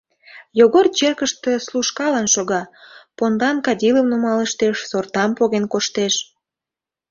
Йогор черкыште служкален шога, пондан кадилым нумалыштеш, сортам поген коштеш.